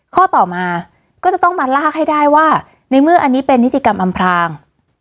ข้อต่อมาก็จะต้องมาลากให้ได้ว่าในเมื่ออันนี้เป็นนิติกรรมอำพราง